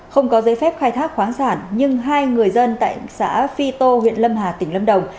không có giấy phép khai thác khoáng sản nhưng hai người dân tại xã phi tô huyện lâm hà tỉnh lâm đồng